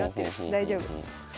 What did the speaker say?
大丈夫。